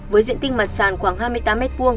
với diện tích mặt sàn khoảng hai mươi tám m hai